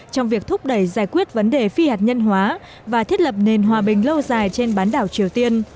trong việc thúc đẩy giải quyết vấn đề phi hạt nhân hóa và thiết lập nền hòa bình lâu dài trên bán đảo triều tiên